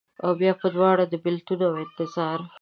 اوبیا په دواړو، د بیلتون اوانتظار